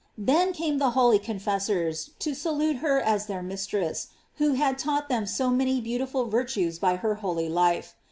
Then came the holy confessors to salute her as their mistress, who had taught them so many beautiful virtues by her holy life.